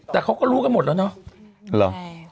แต่เขาก็รู้กันหมดแล้วเนาะ